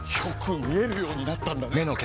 よく見えるようになったんだね！